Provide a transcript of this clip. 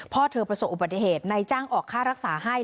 พ่อเธอประสบอุบัติเหตุนายจ้างออกค่ารักษาให้